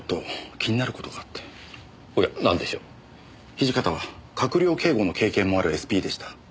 土方は閣僚警護の経験もあるＳＰでした。